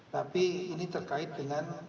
tapi ini terkait dengan